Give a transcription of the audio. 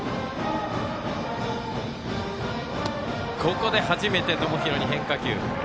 ここで初めて友廣に変化球。